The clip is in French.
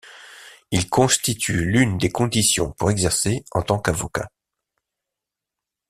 Il constitue l'une des conditions pour exercer en tant qu'avocat.